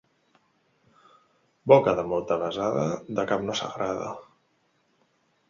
Boca de molta besada, de cap no s'agrada.